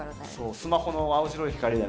スマホの青白い光でね。